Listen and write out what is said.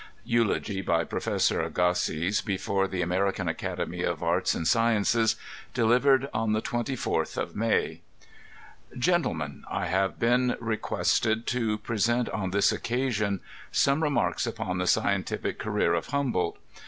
Eulogy by Prof. Agassiz, before the American Academy of Aria ana Sciences, delivered on the 24th of May. Gentlemen : ŌĆö I have been requested to present on this occasion some remarks upon the scientific career of Humboldt.